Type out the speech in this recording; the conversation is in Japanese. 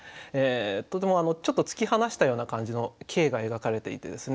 とてもちょっと突き放したような感じの景が描かれていてですね